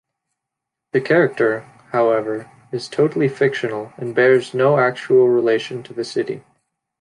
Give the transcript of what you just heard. The character, however, is totally fictional and bears no actual relation to the city.